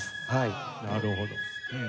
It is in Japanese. なるほど。